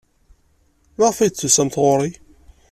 Maɣef ay d-tusam ɣer-i?